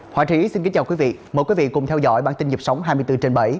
họa sĩ xin kính chào quý vị mời quý vị cùng theo dõi bản tin nhịp sống hai mươi bốn trên bảy